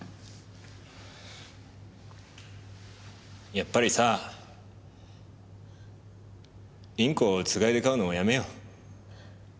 やっぱりさインコをつがいで飼うのはやめよう。